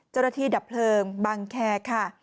เจ้าหน้าที่ดับเพลิงบางแคคค่ะ